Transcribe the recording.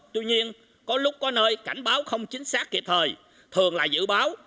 tuy nhiên có lúc có nơi cảnh báo không chính xác kịp thời thường là dự báo